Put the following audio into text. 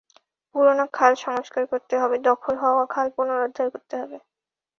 পুরোনো খাল সংস্কার করতে হবে, দখল হওয়া খাল পুনরুদ্ধার করতে হবে।